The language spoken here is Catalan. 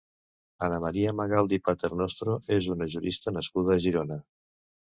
Ana María Magaldi Paternostro és una jurista nascuda a Girona.